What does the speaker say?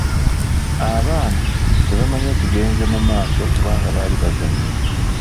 Abaana tebamanya kigenze mu maaso kubanga bali bazannya.